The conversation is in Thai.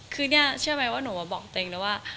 คือเนี่ยเชื่อไหมว่าหนูบอกตัวเองเลยว่า